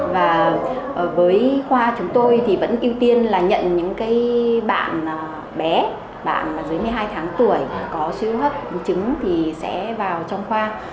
và với khoa chúng tôi thì vẫn ưu tiên là nhận những bạn bé bạn dưới một mươi hai tháng tuổi có siêu hấp biến chứng thì sẽ vào trong khoa